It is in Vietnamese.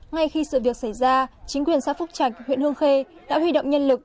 ngay khi sự việc xảy ra chính quyền xã phúc trạch huyện hương khê đã huy động nhân lực